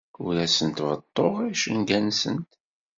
Ur asent-beḍḍuɣ icenga-nsent.